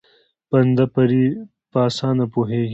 بنده پرې په اسانه پوهېږي.